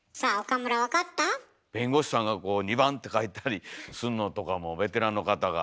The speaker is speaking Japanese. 弁護士さんが「２番」って書いたりすんのとかもベテランの方が。